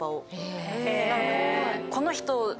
この人。